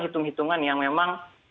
hitung hitungan yang memang